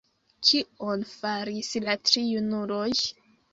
Kion faris la tri junuloj?